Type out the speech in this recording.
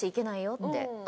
って。